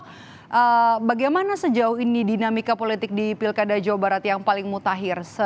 nah bagaimana sejauh ini dinamika politik di pilkada jawa barat yang paling mutakhir